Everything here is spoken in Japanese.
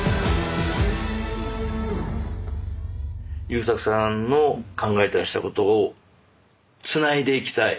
優作さんの考えてらしたことをつないでいきたい。